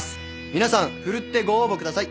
皆さん奮ってご応募ください。